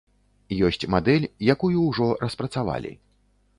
Ёсць мадэль, якую ужо распрацавалі.